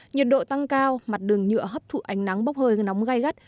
nhiệt độ tăng cao mặt đường nhựa hấp thụ ánh nắng bốc hơi nóng gai gắt